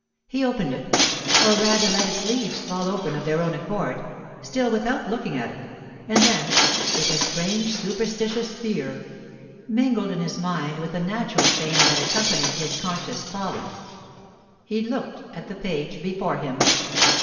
He opened it, or rather let its leaves fall open of their own accord still without looking at it; and then, with a strange superstitious fear mingled in his mind with the natural shame that accompanied his conscious folly he looked at the page before him.